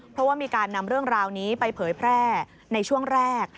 เพราะว่ามีการนำเรื่องราวนี้ไปเผยแพร่ในช่วงแรก